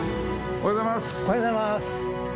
おはようございます。